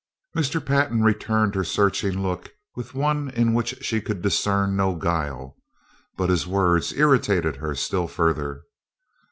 Mr. Pantin returned her searching look with one in which she could discern no guile, but his words irritated her still further.